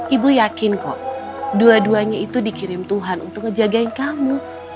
ibu yakin kok dua duanya itu dikirim tuhan untuk ngejagain kamu